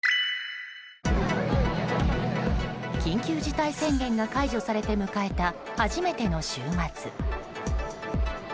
緊急事態宣言が解除されて迎えた初めての週末。